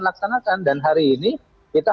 laksanakan dan hari ini kita